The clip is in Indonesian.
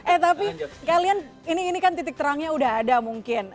eh tapi kalian ini kan titik terangnya udah ada mungkin